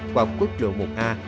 hoặc quốc lộ một a